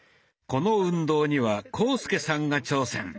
この運動には浩介さんが挑戦。